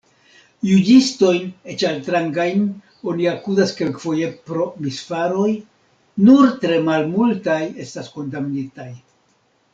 Juĝistojn, eĉ altrangajn, oni akuzas kelkfoje pro misfaroj: nur tre malmultaj estas kondamnitaj.